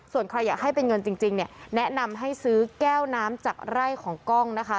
ส่วนใครอยากให้เป็นเงินจริงเนี่ยแนะนำให้ซื้อแก้วน้ำจากไร่ของกล้องนะคะ